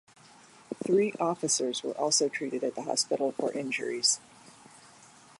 Three officers were also treated at the hospital for injuries.